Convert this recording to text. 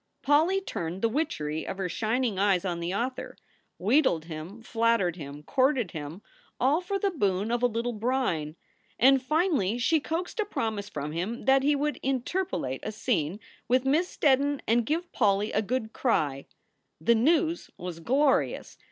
Polly turned the witchery of her shining eyes on the author, wheedled him, flattered him, courted him, all for the boon of a little brine. And finally she coaxed a promise from him that he would interpolate a scene with Miss Steddon and give Polly a good cry. The news was glorious.